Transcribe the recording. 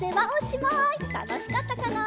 たのしかったかな？